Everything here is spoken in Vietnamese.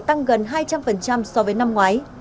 tăng gần hai trăm linh so với năm ngoái